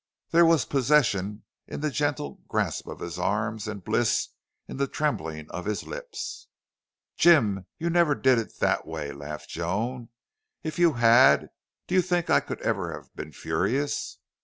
There was possession in the gentle grasp of his arms and bliss in the trembling of his lips. "Jim, you never did it that way!" laughed Joan. "If you had do you think I could ever have been furious?"